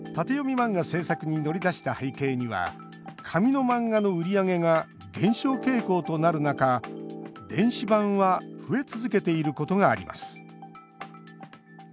漫画制作に乗り出した背景には紙の漫画の売り上げが減少傾向となる中電子版は増え続けていることがあります。